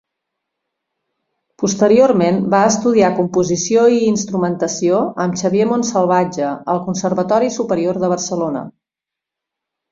Posteriorment va estudiar composició i instrumentació amb Xavier Montsalvatge al Conservatori Superior de Barcelona.